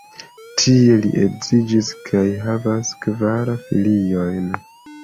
Tie li edziĝis kaj havas kvar filojn.